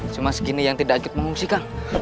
cuma segini yang tidak agak mengungsi kang